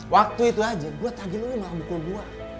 waktu itu aja gua tadi lo malah bukul gua